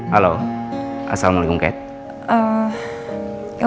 halo assalamualaikum kate